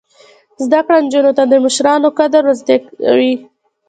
زده کړه نجونو ته د مشرانو قدر ور زده کوي.